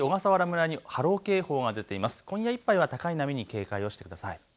今夜いっぱいは高波に警戒をしてください。